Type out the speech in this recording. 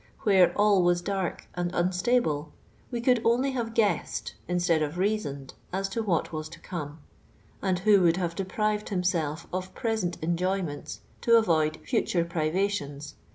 < Whore all was diirk and unstiiblo, we could only have guessed instead of reasoned as to what was to como; and who would have deprived him«elf of present enjoynieiitsi to avoid future priv:itions.